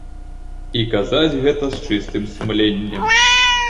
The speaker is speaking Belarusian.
І казаць гэта з чыстым сумленнем.